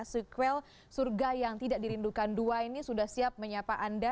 sequel surga yang tidak dirindukan dua ini sudah siap menyapa anda